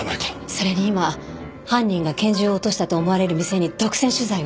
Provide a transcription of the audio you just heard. それに今犯人が拳銃を落としたと思われる店に独占取材を。